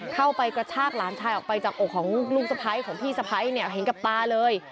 เข้าไปกระชากล้านชายออกไปจากอกของลูกสะพายของพี่สะพายเห็นกับตาเลย